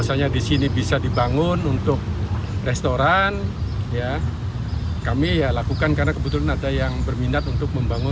suhinto sadikin pemilik bangunan mengaku sama sekali tidak tahu bahwa itu adalah cagar budaya